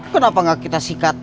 kenapa gak kita sikat